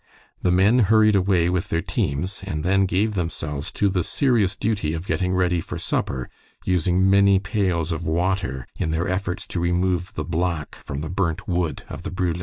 The men hurried away with their teams, and then gave themselves to the serious duty of getting ready for supper, using many pails of water in their efforts to remove the black from the burnt wood of the brule.